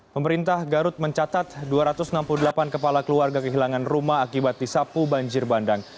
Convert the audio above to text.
pemerintah garut mencatat dua ratus enam puluh delapan kepala keluarga kehilangan rumah akibat disapu banjir bandang